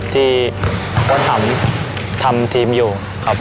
ที่ควรทำทำทีมอยู่ครับ